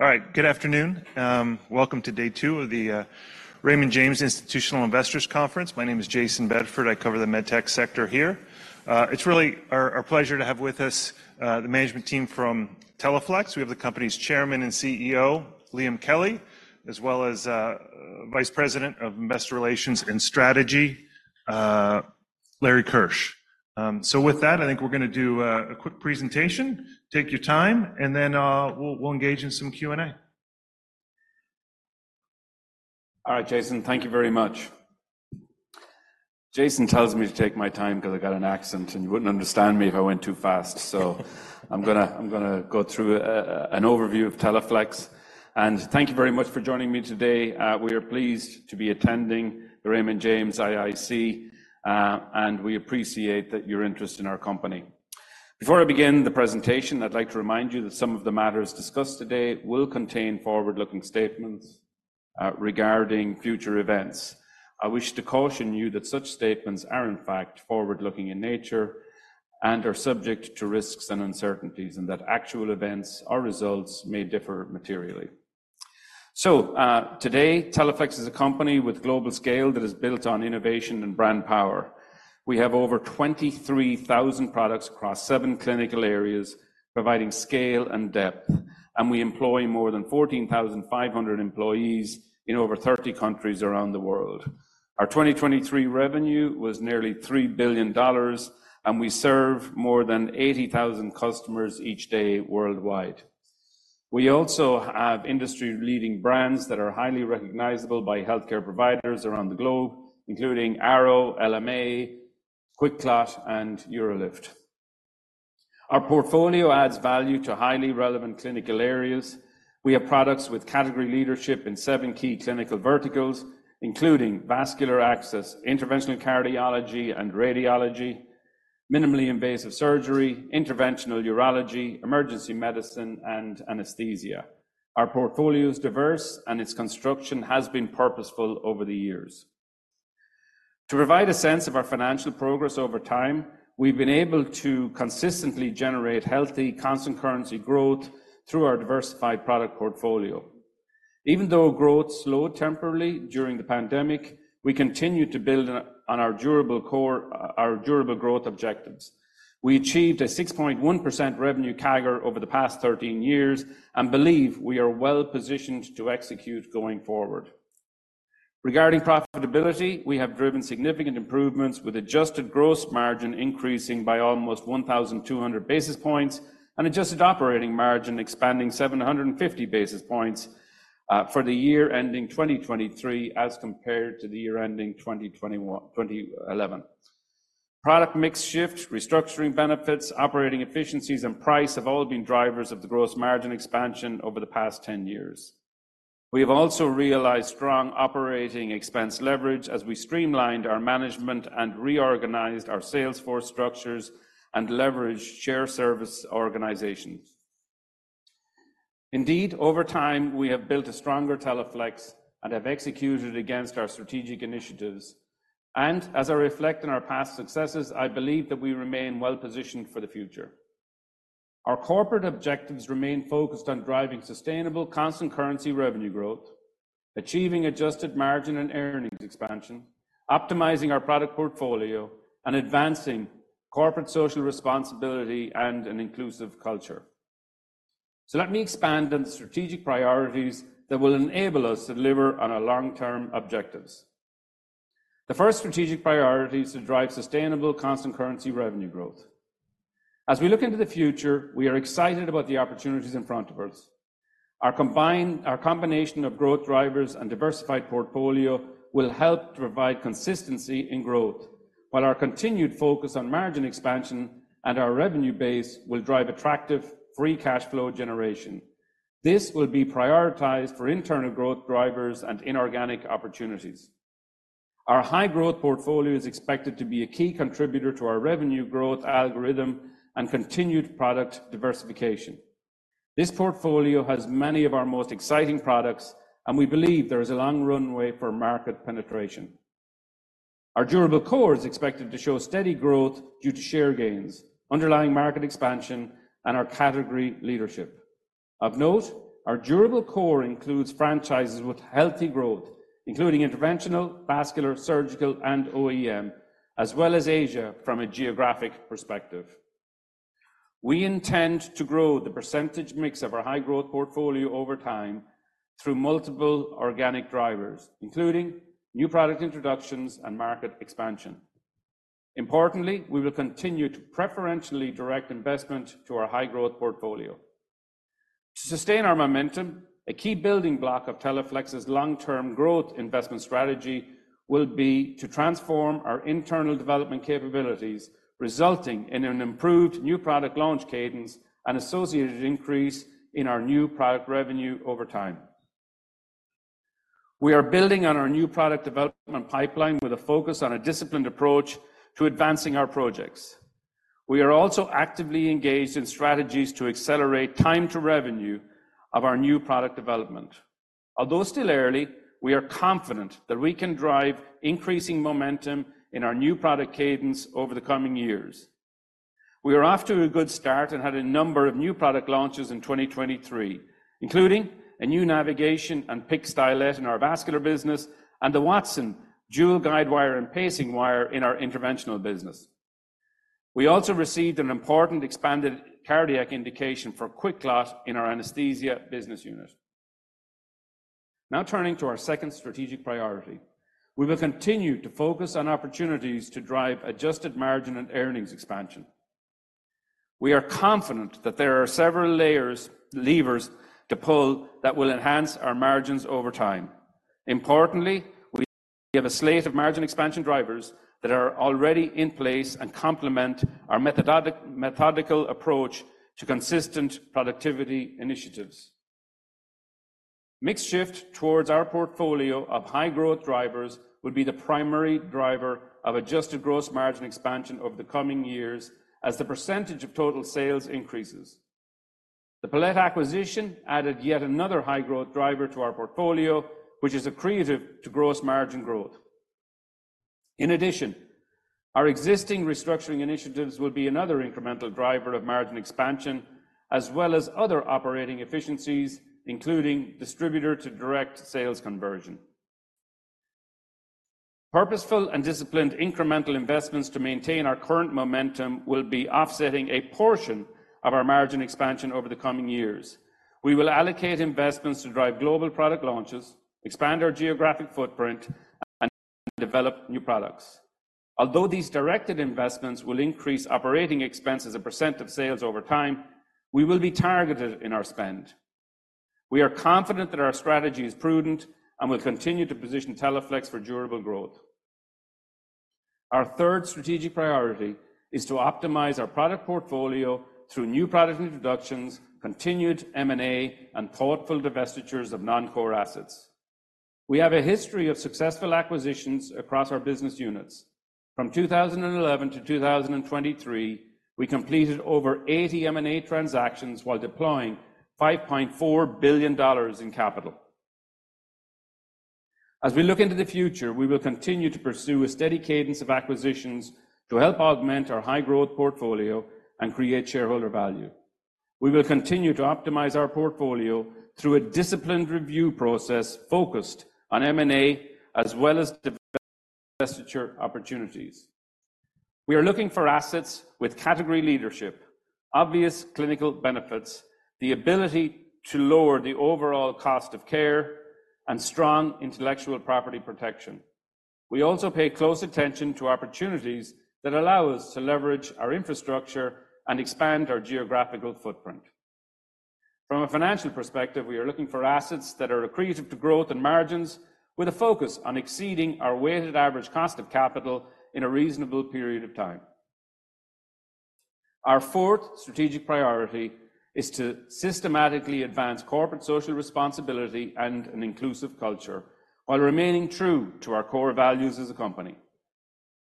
All right, good afternoon. Welcome to day two of the Raymond James Institutional Investors Conference. My name is Jason Bedford. I cover the medtech sector here. It's really our pleasure to have with us the management team from Teleflex. We have the company's Chairman and CEO, Liam Kelly, as well as Vice President of Investor Relations and Strategy, Larry Keusch. With that, I think we're gonna do a quick presentation, take your time, and then we'll engage in some Q and A. All right, Jason, thank you very much. Jason tells me to take my time 'cause I got an accent, and you wouldn't understand me if I went too fast. So I'm gonna go through an overview of Teleflex. And thank you very much for joining me today. We are pleased to be attending the Raymond James IIC, and we appreciate that your interest in our company. Before I begin the presentation, I'd like to remind you that some of the matters discussed today will contain forward-looking statements regarding future events. I wish to caution you that such statements are, in fact, forward-looking in nature and are subject to risks and uncertainties, and that actual events or results may differ materially. So, today, Teleflex is a company with global scale that is built on innovation and brand power. We have over 23,000 products across seven clinical areas, providing scale and depth, and we employ more than 14,500 employees in over 30 countries around the world. Our 2023 revenue was nearly $3 billion, and we serve more than 80,000 customers each day worldwide. We also have industry-leading brands that are highly recognizable by healthcare providers around the globe, including Arrow, LMA, QuikClot, and UroLift. Our portfolio adds value to highly relevant clinical areas. We have products with category leadership in seven key clinical verticals, including vascular access, interventional cardiology, and radiology, minimally invasive surgery, interventional urology, emergency medicine, and anesthesia. Our portfolio is diverse, and its construction has been purposeful over the years. To provide a sense of our financial progress over time, we've been able to consistently generate healthy constant currency growth through our diversified product portfolio. Even though growth slowed temporarily during the pandemic, we continue to build on our durable core, our durable growth objectives. We achieved a 6.1% revenue CAGR over the past 13 years and believe we are well positioned to execute going forward. Regarding profitability, we have driven significant improvements with adjusted gross margin increasing by almost 1,200 basis points and adjusted operating margin expanding 750 basis points, for the year ending 2023 as compared to the year ending 2011. Product mix shift, restructuring benefits, operating efficiencies, and price have all been drivers of the gross margin expansion over the past 10 years. We have also realized strong operating expense leverage as we streamlined our management and reorganized our sales force structures and leveraged shared service organizations. Indeed, over time, we have built a stronger Teleflex and have executed against our strategic initiatives. As I reflect on our past successes, I believe that we remain well positioned for the future. Our corporate objectives remain focused on driving sustainable constant currency revenue growth, achieving adjusted margin and earnings expansion, optimizing our product portfolio, and advancing corporate social responsibility and an inclusive culture. Let me expand on the strategic priorities that will enable us to deliver on our long-term objectives. The first strategic priority is to drive sustainable constant currency revenue growth. As we look into the future, we are excited about the opportunities in front of us. Our combination of growth drivers and diversified portfolio will help to provide consistency in growth, while our continued focus on margin expansion and our revenue base will drive attractive free cash flow generation. This will be prioritized for internal growth drivers and inorganic opportunities. Our high-growth portfolio is expected to be a key contributor to our revenue growth algorithm and continued product diversification. This portfolio has many of our most exciting products, and we believe there is a long runway for market penetration. Our durable core is expected to show steady growth due to share gains, underlying market expansion, and our category leadership. Of note, our durable core includes franchises with healthy growth, including interventional, vascular, surgical, and OEM, as well as Asia from a geographic perspective. We intend to grow the percentage mix of our high-growth portfolio over time through multiple organic drivers, including new product introductions and market expansion. Importantly, we will continue to preferentially direct investment to our high-growth portfolio. To sustain our momentum, a key building block of Teleflex's long-term growth investment strategy will be to transform our internal development capabilities, resulting in an improved new product launch cadence and associated increase in our new product revenue over time. We are building on our new product development pipeline with a focus on a disciplined approach to advancing our projects. We are also actively engaged in strategies to accelerate time-to-revenue of our new product development. Although still early, we are confident that we can drive increasing momentum in our new product cadence over the coming years. We are off to a good start and had a number of new product launches in 2023, including a new navigation and PICC stylet in our vascular business and the Wattson dual guidewire and pacing wire in our interventional business. We also received an important expanded cardiac indication for QuikClot in our anesthesia business unit. Now turning to our second strategic priority, we will continue to focus on opportunities to drive adjusted margin and earnings expansion. We are confident that there are several levers to pull that will enhance our margins over time. Importantly, we have a slate of margin expansion drivers that are already in place and complement our methodical approach to consistent productivity initiatives. Mix shift towards our portfolio of high-growth drivers would be the primary driver of adjusted gross margin expansion over the coming years as the percentage of total sales increases. The Palette acquisition added yet another high-growth driver to our portfolio, which is accretive to gross margin growth. In addition, our existing restructuring initiatives will be another incremental driver of margin expansion, as well as other operating efficiencies, including distributor-to-direct sales conversion. Purposeful and disciplined incremental investments to maintain our current momentum will be offsetting a portion of our margin expansion over the coming years. We will allocate investments to drive global product launches, expand our geographic footprint, and develop new products. Although these directed investments will increase operating expenses and percent of sales over time, we will be targeted in our spend. We are confident that our strategy is prudent and will continue to position Teleflex for durable growth. Our third strategic priority is to optimize our product portfolio through new product introductions, continued M&A, and thoughtful divestitures of non-core assets. We have a history of successful acquisitions across our business units. From 2011 to 2023, we completed over 80 M&A transactions while deploying $5.4 billion in capital. As we look into the future, we will continue to pursue a steady cadence of acquisitions to help augment our high-growth portfolio and create shareholder value. We will continue to optimize our portfolio through a disciplined review process focused on M&A as well as divestiture opportunities. We are looking for assets with category leadership, obvious clinical benefits, the ability to lower the overall cost of care, and strong intellectual property protection. We also pay close attention to opportunities that allow us to leverage our infrastructure and expand our geographical footprint. From a financial perspective, we are looking for assets that are accretive to growth and margins with a focus on exceeding our weighted average cost of capital in a reasonable period of time. Our fourth strategic priority is to systematically advance corporate social responsibility and an inclusive culture while remaining true to our core values as a company.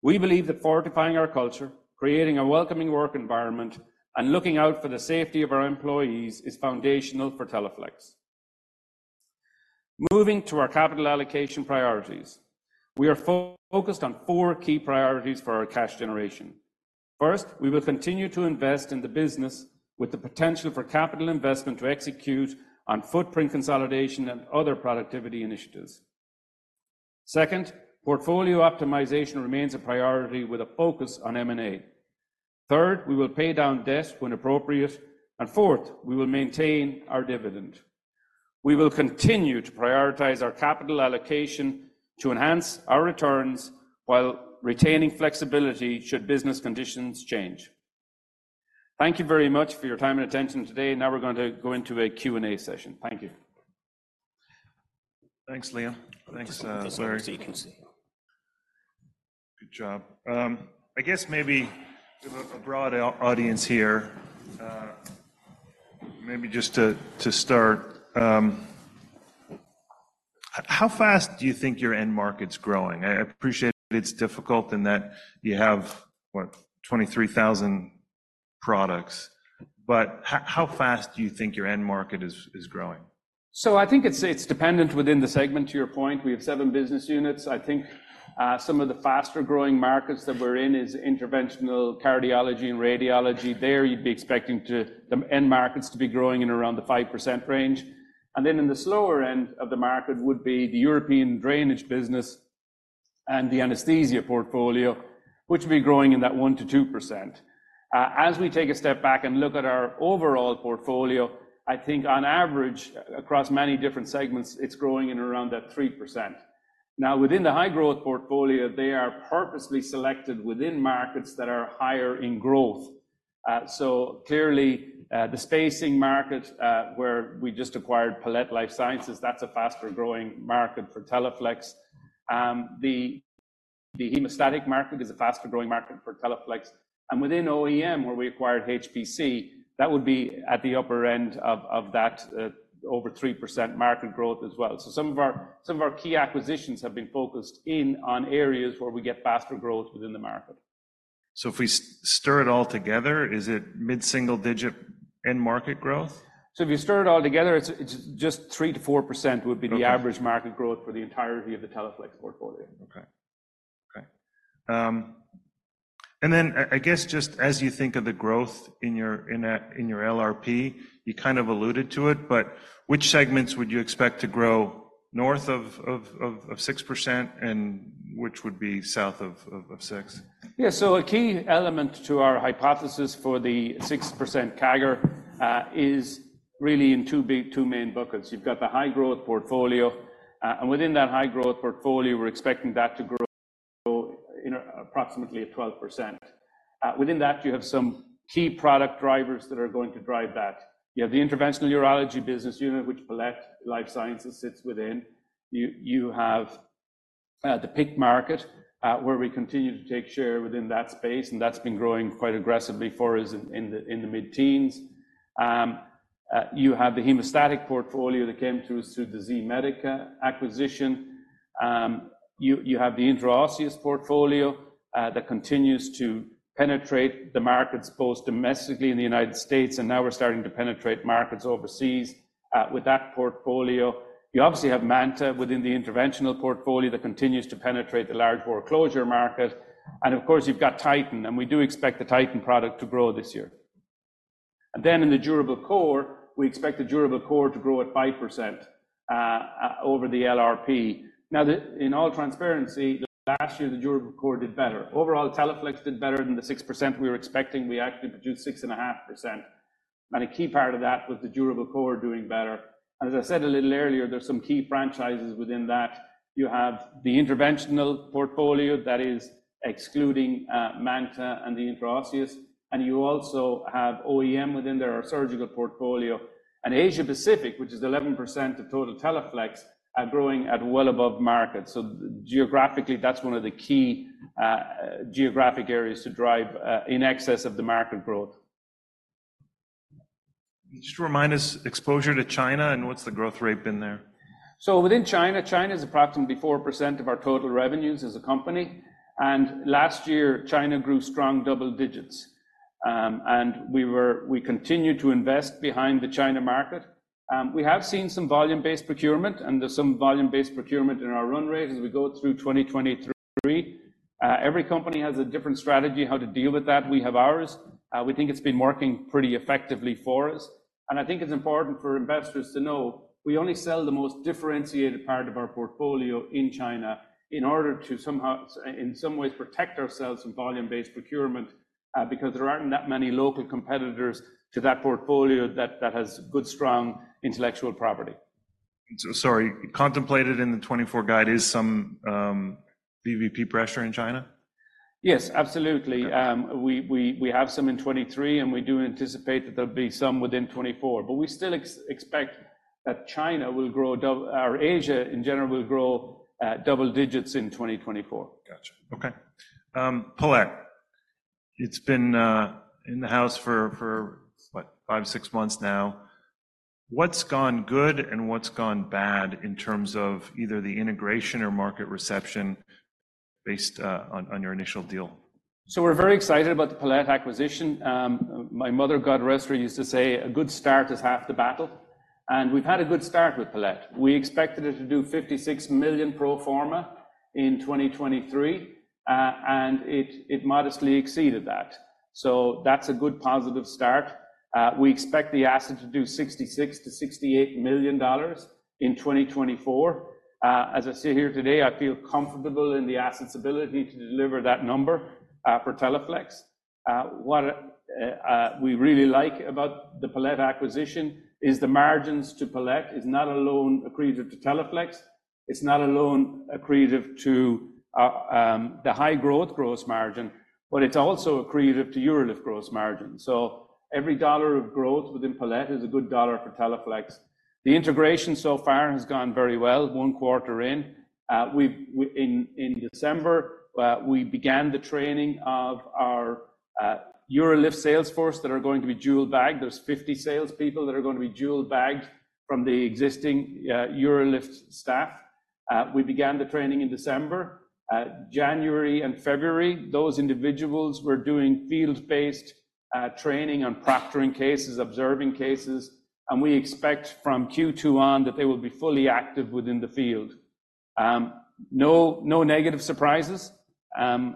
We believe that fortifying our culture, creating a welcoming work environment, and looking out for the safety of our employees is foundational for Teleflex. Moving to our capital allocation priorities, we are focused on four key priorities for our cash generation. First, we will continue to invest in the business with the potential for capital investment to execute on footprint consolidation and other productivity initiatives. Second, portfolio optimization remains a priority with a focus on M&A. Third, we will pay down debt when appropriate. And fourth, we will maintain our dividend. We will continue to prioritize our capital allocation to enhance our returns while retaining flexibility should business conditions change. Thank you very much for your time and attention today. Now we're going to go into a Q and A session. Thank you. Thanks, Liam. Thanks, Larry. Thanks, Jason, for the frequency. Good job. I guess maybe we have a broad audience here. Maybe just to start, how fast do you think your end market's growing? I appreciate that it's difficult and that you have, what, 23,000 products. But how fast do you think your end market is growing? So I think it's, it's dependent within the segment to your point. We have seven business units. I think, some of the faster-growing markets that we're in is interventional cardiology and radiology. There, you'd be expecting to the end markets to be growing in around the 5% range. And then in the slower end of the market would be the European drainage business and the anesthesia portfolio, which would be growing in that 1%-2%. As we take a step back and look at our overall portfolio, I think on average, across many different segments, it's growing in around that 3%. Now, within the high-growth portfolio, they are purposely selected within markets that are higher in growth. So clearly, the spacer market, where we just acquired Palette Life Sciences, that's a faster-growing market for Teleflex. The, the hemostatic market is a faster-growing market for Teleflex. Within OEM, where we acquired HPC, that would be at the upper end of that, over 3% market growth as well. Some of our key acquisitions have been focused in on areas where we get faster growth within the market. So if we stir it all together, is it mid-single-digit end-market growth? So if you stir it all together, it's just 3%-4% would be the average market growth for the entirety of the Teleflex portfolio. Okay. Okay, and then I guess just as you think of the growth in your LRP, you kind of alluded to it. But which segments would you expect to grow north of 6%, and which would be south of 6%? Yeah. So a key element to our hypothesis for the 6% CAGR is really in two main buckets. You've got the high-growth portfolio. And within that high-growth portfolio, we're expecting that to grow in approximately 12%. Within that, you have some key product drivers that are going to drive that. You have the interventional urology business unit, which Palette Life Sciences sits within. You have the PICC market, where we continue to take share within that space. And that's been growing quite aggressively for us in the mid-teens. You have the hemostatic portfolio that came through the Z-Medica acquisition. You have the intraosseous portfolio that continues to penetrate the markets both domestically in the United States. And now we're starting to penetrate markets overseas with that portfolio. You obviously have MANTA within the interventional portfolio that continues to penetrate the large bore closure market. And of course, you've got Titan. And we do expect the Titan product to grow this year. And then in the durable core, we expect the durable core to grow at 5% over the LRP. Now, in all transparency, last year, the durable core did better. Overall, Teleflex did better than the 6% we were expecting. We actually produced 6.5%. And a key part of that was the durable core doing better. And as I said a little earlier, there's some key franchises within that. You have the interventional portfolio that is excluding MANTA and the intraosseous. And you also have OEM within there, our surgical portfolio. And Asia-Pacific, which is 11% of total Teleflex, growing at well above market. Geographically, that's one of the key geographic areas to drive in excess of the market growth. Can you just remind us exposure to China and what's the growth rate been there? So within China, China is approximately 4% of our total revenues as a company. Last year, China grew strong double digits. We continue to invest behind the China market. We have seen some volume-based procurement. There's some volume-based procurement in our run rate as we go through 2023. Every company has a different strategy how to deal with that. We have ours. We think it's been working pretty effectively for us. I think it's important for investors to know, we only sell the most differentiated part of our portfolio in China in order to somehow in some ways protect ourselves from volume-based procurement, because there aren't that many local competitors to that portfolio that has good strong intellectual property. Sorry. Contemplated in the 2024 guide is some VBP pressure in China? Yes, absolutely. We have some in 2023. We do anticipate that there'll be some within 2024. But we still expect that China will grow double digits. Our Asia in general will grow double digits in 2024. Gotcha. Okay. Palette, it's been in the house for what, five, six months now. What's gone good and what's gone bad in terms of either the integration or market reception based on your initial deal? So we're very excited about the Palette acquisition. My mother, God rest her, used to say, "A good start is half the battle." And we've had a good start with Palette. We expected it to do $56 million pro forma in 2023. And it modestly exceeded that. So that's a good positive start. We expect the asset to do $66 million-$68 million in 2024. As I sit here today, I feel comfortable in the asset's ability to deliver that number for Teleflex. What we really like about the Palette acquisition is the margins. To Palette is not only accretive to Teleflex. It's not only accretive to the high-growth gross margin. But it's also accretive to UroLift gross margin. So every dollar of growth within Palette is a good dollar for Teleflex. The integration so far has gone very well one quarter in. In December, we began the training of our UroLift salesforce that are going to be dual-bagged. There's 50 salespeople that are going to be dual-bagged from the existing UroLift staff. We began the training in December. January and February, those individuals were doing field-based training on proctoring cases, observing cases. And we expect from Q2 on that they will be fully active within the field. No, no negative surprises, 5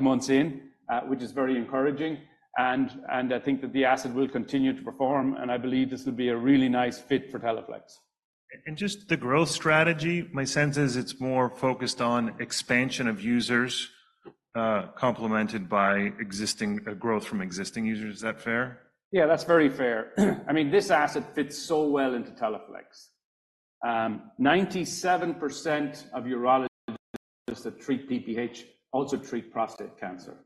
months in, which is very encouraging. And, and I think that the asset will continue to perform. And I believe this will be a really nice fit for Teleflex. Just the growth strategy, my sense is it's more focused on expansion of users, complemented by existing growth from existing users. Is that fair? Yeah, that's very fair. I mean, this asset fits so well into Teleflex. 97% of urologists that treat BPH also treat prostate cancer.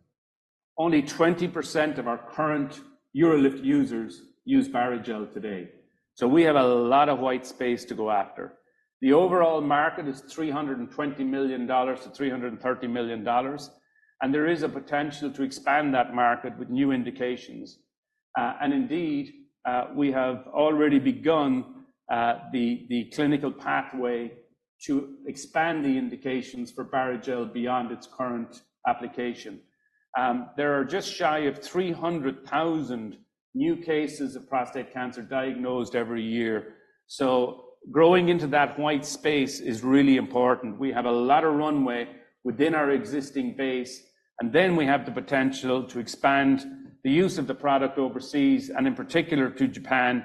Only 20% of our current UroLift users use Barrigel today. So we have a lot of white space to go after. The overall market is $320 million-$330 million. And there is a potential to expand that market with new indications. And indeed, we have already begun the clinical pathway to expand the indications for Barrigel beyond its current application. There are just shy of 300,000 new cases of prostate cancer diagnosed every year. So growing into that white space is really important. We have a lot of runway within our existing base. And then we have the potential to expand the use of the product overseas and in particular to Japan,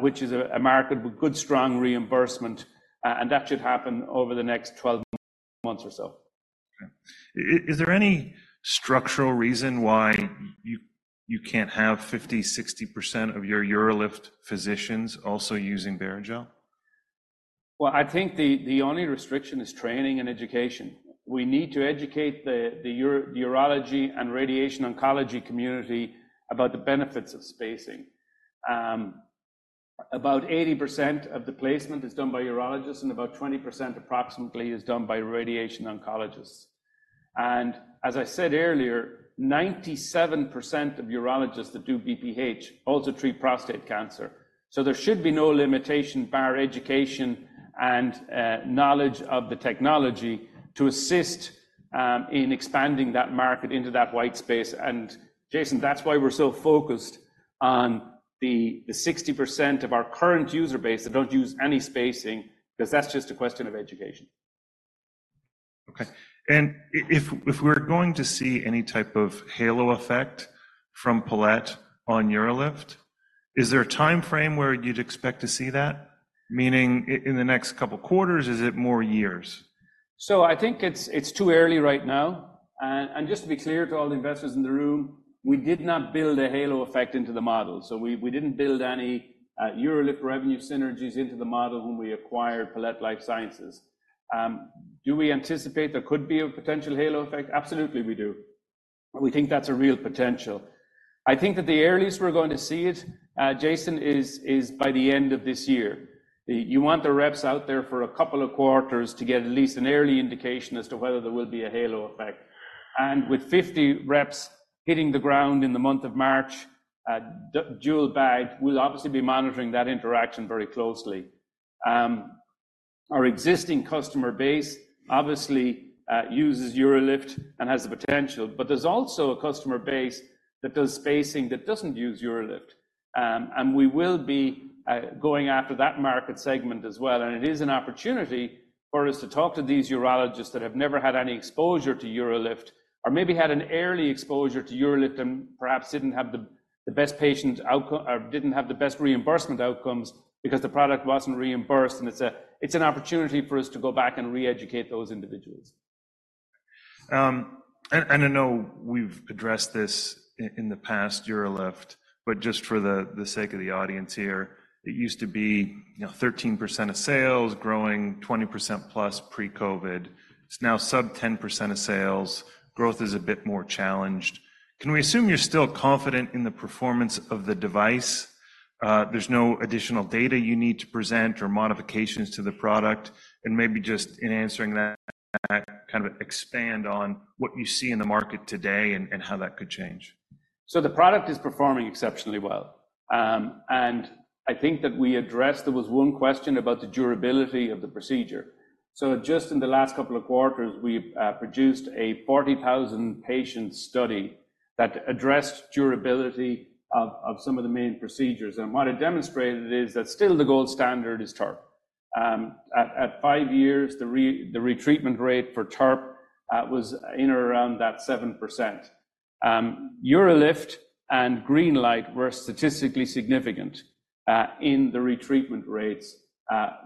which is a market with good strong reimbursement. and that should happen over the next 12 months or so. Okay. Is there any structural reason why you can't have 50%-60% of your UroLift physicians also using Barrigel? Well, I think the only restriction is training and education. We need to educate the urology and radiation oncology community about the benefits of spacing. About 80% of the placement is done by urologists. About 20% approximately is done by radiation oncologists. As I said earlier, 97% of urologists that do BPH also treat prostate cancer. So there should be no limitation bar education and knowledge of the technology to assist in expanding that market into that white space. And Jason, that's why we're so focused on the 60% of our current user base that don't use any spacing because that's just a question of education. Okay. And if, if we're going to see any type of halo effect from Palette on UroLift, is there a time frame where you'd expect to see that? Meaning in the next couple quarters, is it more years? So I think it's too early right now. And just to be clear to all the investors in the room, we did not build a halo effect into the model. So we didn't build any UroLift revenue synergies into the model when we acquired Palette Life Sciences. Do we anticipate there could be a potential halo effect? Absolutely, we do. We think that's a real potential. I think that the earliest we're going to see it, Jason, is by the end of this year. You want the reps out there for a couple of quarters to get at least an early indication as to whether there will be a halo effect. And with 50 reps hitting the ground in the month of March, dual-bagged, we'll obviously be monitoring that interaction very closely. Our existing customer base obviously uses UroLift and has the potential. But there's also a customer base that does spacing that doesn't use UroLift. And we will be going after that market segment as well. And it is an opportunity for us to talk to these urologists that have never had any exposure to UroLift or maybe had an early exposure to UroLift and perhaps didn't have the best patient outcome or didn't have the best reimbursement outcomes because the product wasn't reimbursed. And it's an opportunity for us to go back and reeducate those individuals. I know we've addressed this in the past, UroLift. But just for the sake of the audience here, it used to be, you know, 13% of sales, growing 20%+ pre-COVID. It's now sub-10% of sales. Growth is a bit more challenged. Can we assume you're still confident in the performance of the device? There's no additional data you need to present or modifications to the product. And maybe just in answering that, kind of expand on what you see in the market today and how that could change? So the product is performing exceptionally well. I think that we addressed there was one question about the durability of the procedure. Just in the last couple of quarters, we produced a 40,000-patient study that addressed durability of some of the main procedures. And what it demonstrated is that still the gold standard is TURP. At five years, the retreatment rate for TURP was in or around that 7%. UroLift and GreenLight were statistically significant in the retreatment rates,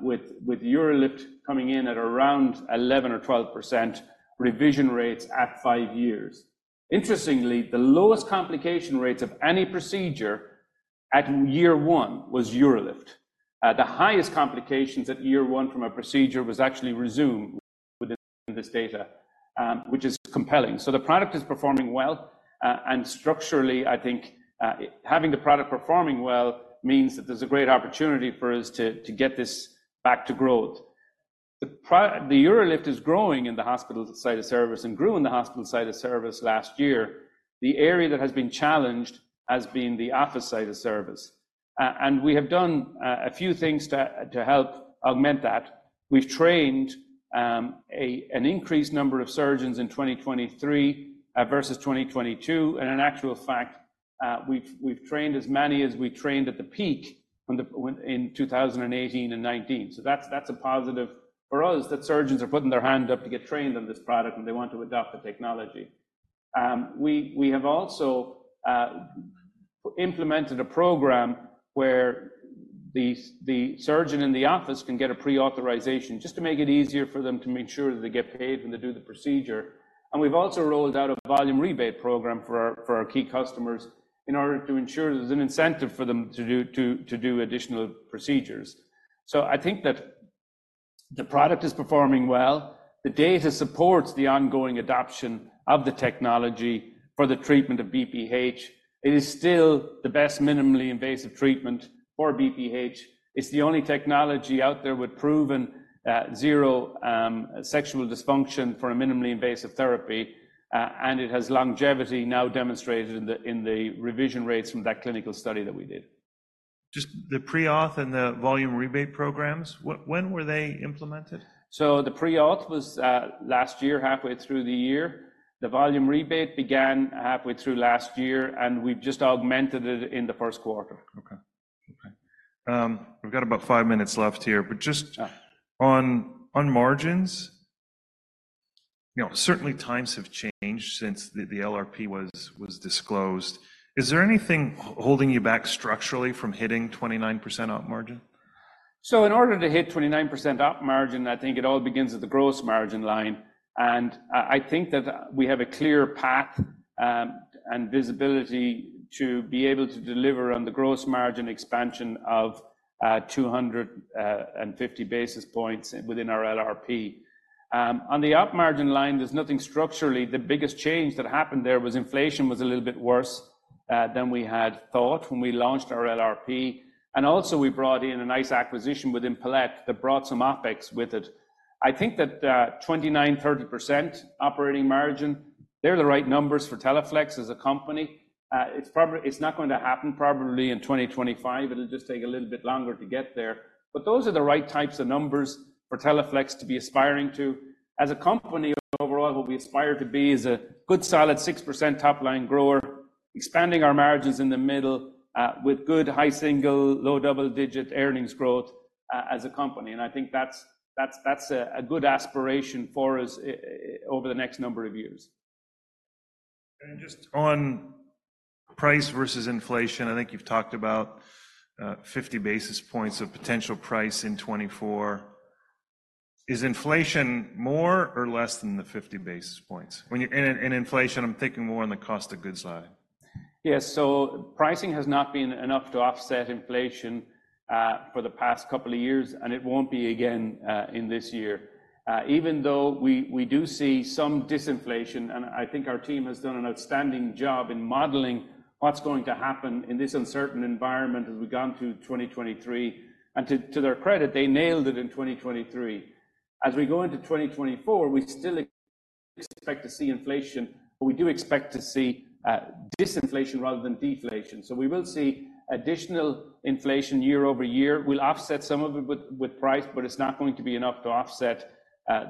with UroLift coming in at around 11% or 12% revision rates at five years. Interestingly, the lowest complication rates of any procedure at year one was UroLift. The highest complications at year one from a procedure was actually Rezūm within this data, which is compelling. So the product is performing well. Structurally, I think, having the product performing well means that there's a great opportunity for us to get this back to growth. The UroLift is growing in the hospital side of service and grew in the hospital side of service last year. The area that has been challenged has been the office side of service. We have done a few things to help augment that. We've trained an increased number of surgeons in 2023, versus 2022. And in actual fact, we've trained as many as we trained at the peak when in 2018 and 2019. So that's a positive for us that surgeons are putting their hand up to get trained on this product when they want to adopt the technology. We have also implemented a program where the surgeon in the office can get a pre-authorization just to make it easier for them to make sure that they get paid when they do the procedure. And we've also rolled out a volume rebate program for our key customers in order to ensure there's an incentive for them to do additional procedures. So I think that the product is performing well. The data supports the ongoing adoption of the technology for the treatment of BPH. It is still the best minimally invasive treatment for BPH. It's the only technology out there with proven zero sexual dysfunction for a minimally invasive therapy. And it has longevity now demonstrated in the revision rates from that clinical study that we did. Just the pre-auth and the volume rebate programs, what, when were they implemented? The pre-auth was last year, halfway through the year. The volume rebate began halfway through last year. We've just augmented it in the first quarter. Okay. We've got about five minutes left here. But just on margins, you know, certainly times have changed since the LRP was disclosed. Is there anything holding you back structurally from hitting 29% op margin? So in order to hit 29% op margin, I think it all begins at the gross margin line. And, I think that we have a clear path, and visibility to be able to deliver on the gross margin expansion of 250 basis points within our LRP. On the op margin line, there's nothing structurally. The biggest change that happened there was inflation was a little bit worse than we had thought when we launched our LRP. And also, we brought in a nice acquisition within Palette that brought some OpEx with it. I think that 29%-30% operating margin, they're the right numbers for Teleflex as a company. It's not going to happen probably in 2025. It'll just take a little bit longer to get there. But those are the right types of numbers for Teleflex to be aspiring to. As a company, overall, what we aspire to be is a good solid 6% top-line grower, expanding our margins in the middle, with good high single, low double-digit earnings growth, as a company. I think that's a good aspiration for us, over the next number of years. Just on price versus inflation, I think you've talked about 50 basis points of potential price in 2024. Is inflation more or less than the 50 basis points? When you're in inflation, I'm thinking more on the cost of goods line. Yeah. So pricing has not been enough to offset inflation, for the past couple of years. And it won't be again, in this year. Even though we, we do see some disinflation. And I think our team has done an outstanding job in modeling what's going to happen in this uncertain environment as we've gone to 2023. And to, to their credit, they nailed it in 2023. As we go into 2024, we still expect to see inflation. But we do expect to see, disinflation rather than deflation. So we will see additional inflation year-over-year. We'll offset some of it with, with price. But it's not going to be enough to offset,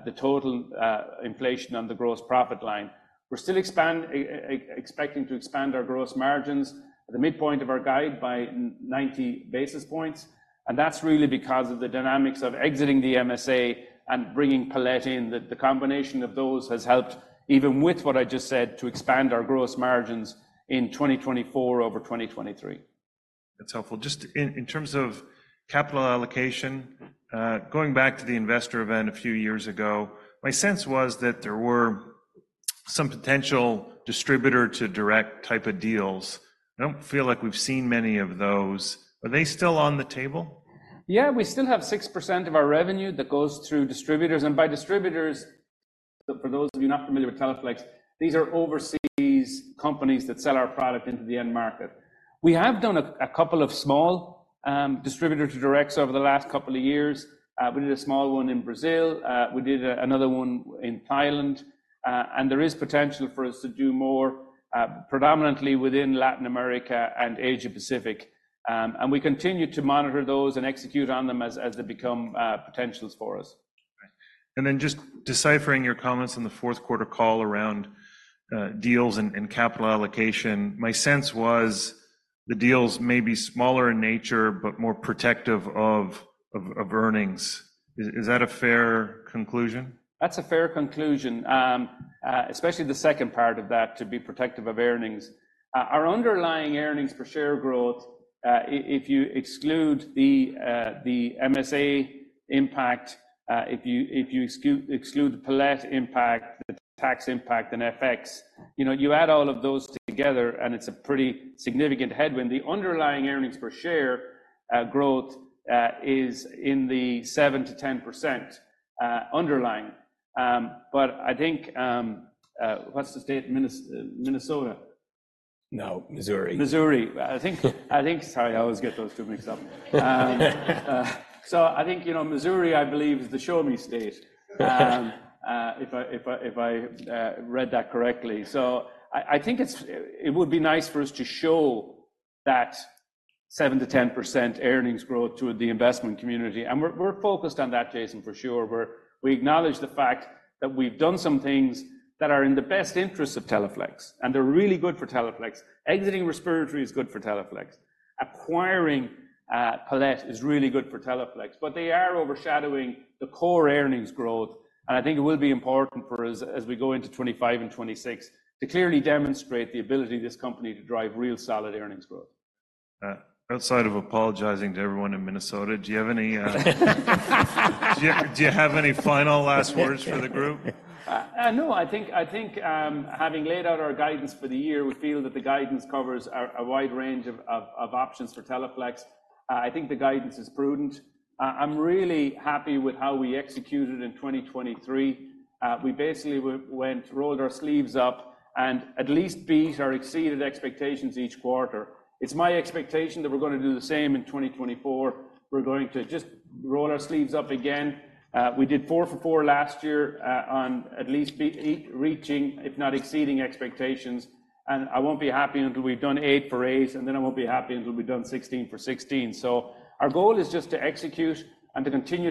the total, inflation on the gross profit line. We're still expecting to expand our gross margins at the midpoint of our guide by 90 basis points. And that's really because of the dynamics of exiting the MSA and bringing Palette in. The combination of those has helped even with what I just said to expand our gross margins in 2024 over 2023. That's helpful. Just in terms of capital allocation, going back to the investor event a few years ago, my sense was that there were some potential distributor-to-direct type of deals. I don't feel like we've seen many of those. Are they still on the table? Yeah. We still have 6% of our revenue that goes through distributors. And by distributors, for those of you not familiar with Teleflex, these are overseas companies that sell our product into the end market. We have done a couple of small, distributor-to-directs over the last couple of years. We did a small one in Brazil. We did another one in Thailand. There is potential for us to do more, predominantly within Latin America and Asia-Pacific. We continue to monitor those and execute on them as they become potentials for us. Okay. Then, just deciphering your comments on the fourth quarter call around deals and capital allocation, my sense was the deals may be smaller in nature but more protective of earnings. Is that a fair conclusion? That's a fair conclusion. Especially the second part of that, to be protective of earnings. Our underlying earnings per share growth, if you exclude the MSA impact, if you exclude Palette impact, the tax impact, and FX, you know, you add all of those together, and it's a pretty significant headwind. The underlying earnings per share growth is in the 7%-10%, underlying. But I think, what's the state in Minnesota? No, Missouri. Missouri. I think I think—sorry, I always get those two mixed up. So I think, you know, Missouri, I believe, is the Show-Me State, if I read that correctly. So I think it would be nice for us to show that 7%-10% earnings growth to the investment community. We're focused on that, Jason, for sure. We acknowledge the fact that we've done some things that are in the best interests of Teleflex. They're really good for Teleflex. Exiting respiratory is good for Teleflex. Acquiring Palette is really good for Teleflex. But they are overshadowing the core earnings growth. I think it will be important for us as we go into 2025 and 2026 to clearly demonstrate the ability of this company to drive real solid earnings growth. Outside of apologizing to everyone in Minnesota, do you have any final last words for the group? No. I think, having laid out our guidance for the year, we feel that the guidance covers a wide range of options for Teleflex. I think the guidance is prudent. I'm really happy with how we executed in 2023. We basically went, rolled our sleeves up and at least beat or exceeded expectations each quarter. It's my expectation that we're going to do the same in 2024. We're going to just roll our sleeves up again. We did 4 for 4 last year, on at least beat reaching, if not exceeding, expectations. And I won't be happy until we've done 8 for 8. And then I won't be happy until we've done 16 for 16. So our goal is just to execute and to continue to.